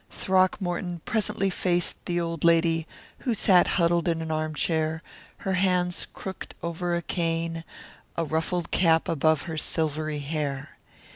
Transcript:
Throckmorton presently faced the old lady who sat huddled in an armchair, her hands crooked over a cane, a ruffled cap above her silvery hair.